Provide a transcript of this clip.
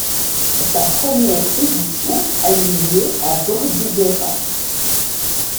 Sa première édition a eu lieu à Bordighera.